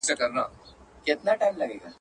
د کابل د لارې د کنټرول له امله انګلیس زیان وښود.